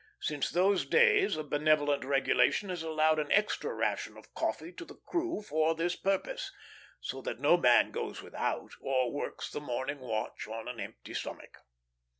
Since those days a benevolent regulation has allowed an extra ration of coffee to the crew for this purpose, so that no man goes without, or works the morning watch on an empty stomach.